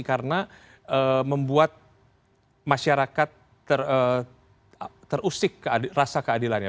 karena membuat masyarakat terusik rasa keadilannya